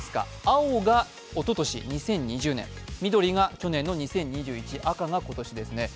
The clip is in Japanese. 青がおととし２０２０年、緑が去年２０２１赤が今年ですね。